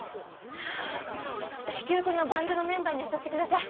至急このバンドのメンバーに当たってください。